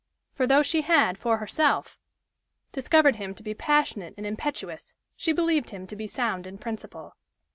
For though she had, for herself, discovered him to be passionate and impetuous, she believed him to be sound in principle.